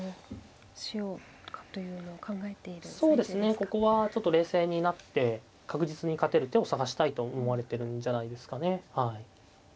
ここはちょっと冷静になって確実に勝てる手を探したいと思われてるんじゃないですかねはい。